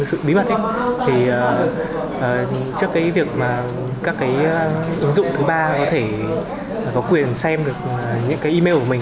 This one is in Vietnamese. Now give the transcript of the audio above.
thì trước cái việc mà các cái ứng dụng thứ ba có thể có quyền xem được những cái email của mình